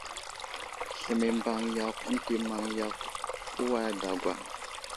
Sləmay i mbaŋ yakw ənta i maŋ yakw uway dagwa ?